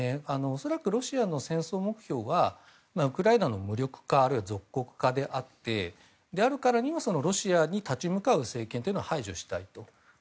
恐らくロシアの戦争目標はウクライナの無力化あるいは属国化であってであるからにはロシアに立ち向かう政権を排除したいと。